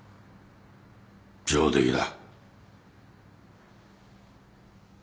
上出来だ。